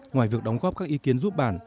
ngoài việc đóng góp các ý kiến giúp bản